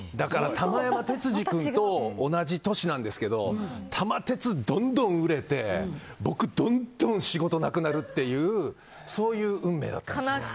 玉山鉄二君と同じ年なんですけど玉鉄どんどん売れて僕、どんどん仕事なくなるというそういう運命だったんですよ。